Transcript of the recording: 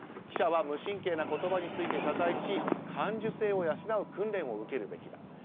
記者は無神経な言葉について謝罪し、感受性を養う訓練を受けるべきだ。